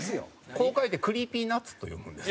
こう書いてＣｒｅｅｐｙＮｕｔｓと読むんです。